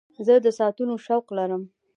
زه د ساعتونو شوق لرم.